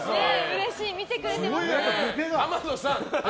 うれしい、見てくれてますね。